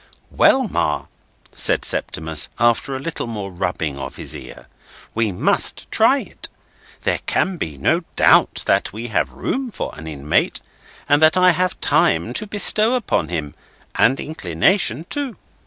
'" "Well, Ma," said Septimus, after a little more rubbing of his ear, "we must try it. There can be no doubt that we have room for an inmate, and that I have time to bestow upon him, and inclination too.